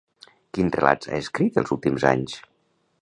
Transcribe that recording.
Quins relats ha escrit els últims anys?